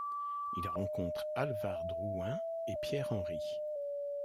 Il rencontre Alvar Drouin et Pierre Henri.